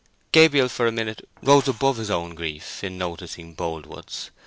Gabriel, for a minute, rose above his own grief in noticing Boldwood's.